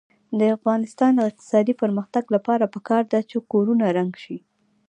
د افغانستان د اقتصادي پرمختګ لپاره پکار ده چې کورونه رنګ شي.